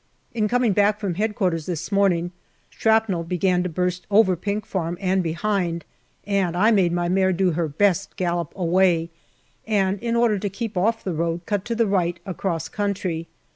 In coming back from H.Q. this morning, shrapnel began to burst over Pink Farm and behind, and I made my mare do her best gallop away, and, in order to keep off the road, cut to the right across country.